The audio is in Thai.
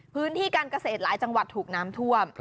พื้นที่การเกษตรหลายจังหวัดถูกน้ำท่วม